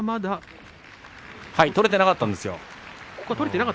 取れてなかったんですよ。